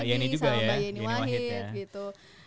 sama mbak yeni wahid gitu